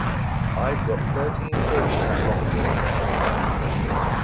I've got thirteen kids in that locker room that I love.